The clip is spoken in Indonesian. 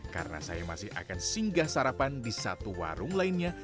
karena saya masih akan singgah sarapan di satu warung lainnya